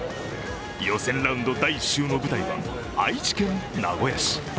予選ラウンド第１週の舞台は愛知県名古屋市。